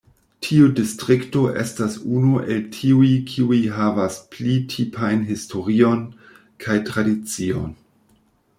Tiu distrikto estas unu el tiuj kiuj havas pli tipajn historion kaj tradicion.